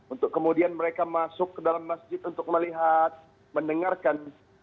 untuk kemudian mereka masuk ke dalam masjid untuk melihat mendengarkan